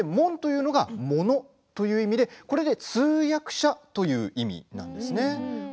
もんは者という意味でこれで通訳者という意味なんですね。